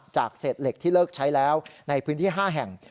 จากเศษเหล็กที่เลิกใช้แล้วในพื้นที่๕แห่ง